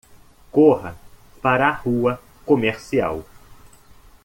Corra para a rua comercial